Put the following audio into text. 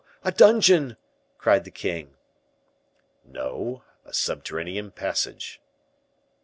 a dungeon," cried the king. "No, a subterranean passage."